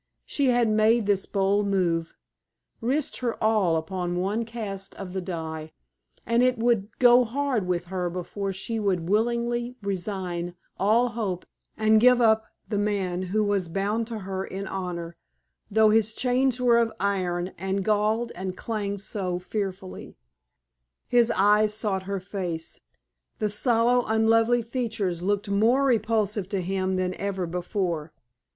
She had made this bold move risked her all upon one cast of the die and it would go hard with her before she would willingly resign all hope and give up the man who was bound to her in honor, though his chains were of iron, and galled and clanked so fearfully. His eyes sought her face; the sallow, unlovely features looked more repulsive to him than ever before.